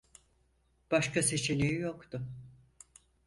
Başka seçeneği yoktu.